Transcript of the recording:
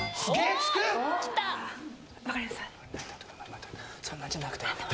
待ってそんなんじゃなくて。